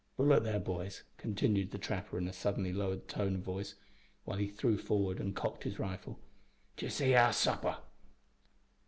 But look there, boys," continued the trapper in a suddenly lowered tone of voice, while he threw forward and cocked his rifle, "d'ye see our supper?"